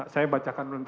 saya bacakan dulu nanti